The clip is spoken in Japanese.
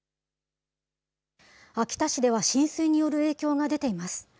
秋田市では浸水による影響が出ています。